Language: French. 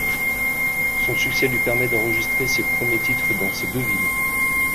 Son succès lui permet d'enregistrer ses premiers titres dans ces deux villes.